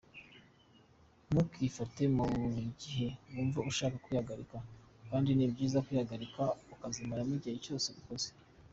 Ntukifate mu gihe wumva ushaka kwihagarika kandi ni byiza kwihagarika ukazimaramo igihe cyose ubikoze.